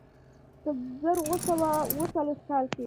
په زر اووه سوه اوه څلوېښت کال کې.